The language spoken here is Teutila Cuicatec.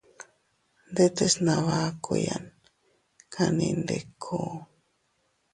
Ndetes nabakuyan kanni ndiku.